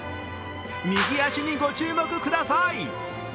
右足にご注目ください。